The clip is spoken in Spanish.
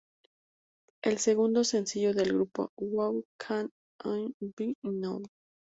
El segundo sencillo de grupo, "Who Can It Be Now?